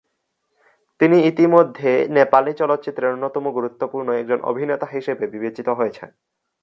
তিনি ইতিমধ্যে নেপালি চলচ্চিত্রের অন্যতম গুরুত্বপূর্ণ একজন অভিনেতা হিসাবে বিবেচিত হয়েছন।